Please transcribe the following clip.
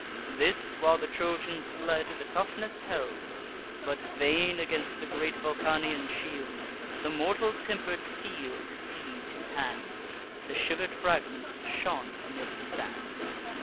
This, while the Trojans fled, the toughness held; But, vain against the great Vulcanian shield, The mortal temper'd steel deceiv'd his hand: The shiver'd fragments shone amid the sand.